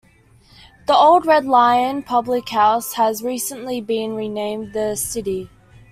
The old "Red Lion" public house has recently been renamed "The Stiddy".